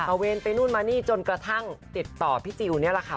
เวรไปนู่นมานี่จนกระทั่งติดต่อพี่จิลนี่แหละค่ะ